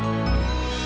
kau tidak mengenalinya